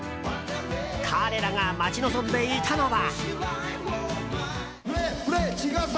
彼らが待ち望んでいたのは。